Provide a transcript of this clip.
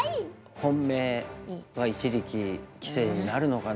本命は一力棋聖になるのかな。